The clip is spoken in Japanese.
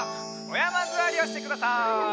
おやまずわりをしてください。